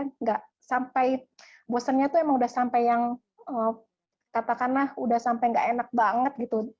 nggak sampai bosannya tuh emang udah sampai yang katakanlah udah sampai gak enak banget gitu